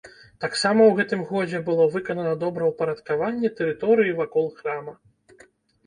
Таксама ў гэтым годзе было выканана добраўпарадкаванне тэрыторыі вакол храма.